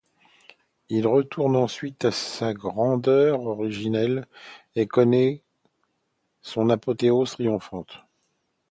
Il retourne ensuite à sa grandeur originelle, et connaît son apothéose triomphante.